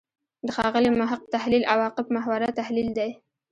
د ښاغلي محق تحلیل «عواقب محوره» تحلیل دی.